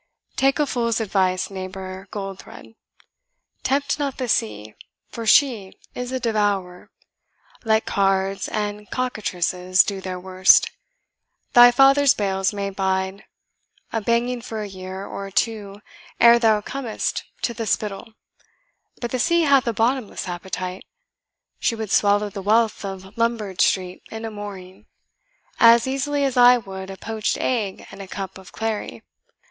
Take a fool's advice, neighbour Goldthred. Tempt not the sea, for she is a devourer. Let cards and cockatrices do their worst, thy father's bales may bide a banging for a year or two ere thou comest to the Spital; but the sea hath a bottomless appetite, she would swallow the wealth of Lombard Street in a morning, as easily as I would a poached egg and a cup of clary.